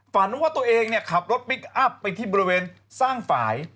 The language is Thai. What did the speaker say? ฝันว่าตัวเองเนี่ยขับรถพลิกอัพไปที่บริเวณสร้างฝ่าย